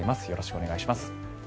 よろしくお願いします。